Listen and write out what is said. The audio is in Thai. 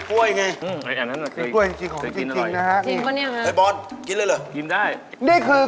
กล้วยไม่เรียบค้า